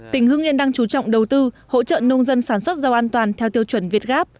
tỉnh hưng yên đang chú trọng đầu tư hỗ trợ nông dân sản xuất rau an toàn theo tiêu chuẩn việt gáp